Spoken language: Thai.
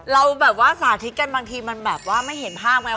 เราแบบว่าสาธิตกันบางทีมันแบบว่าไม่เห็นภาพไง